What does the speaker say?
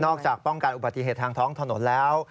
จากป้องกันอุบัติเหตุทางท้องถนนแล้ว